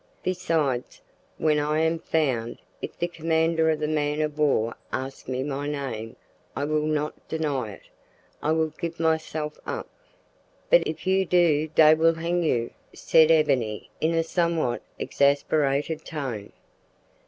Besides, when I am found, if the commander of the man of war asks me my name I will not deny it, I will give myself up." "But if you do dey will hang you!" said Ebony in a somewhat exasperated tone.